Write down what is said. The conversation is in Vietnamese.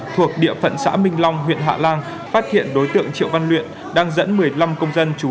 thuộc địa phận xã minh long huyện hạ lan phát hiện đối tượng triệu văn luyện đang dẫn một mươi năm công dân trú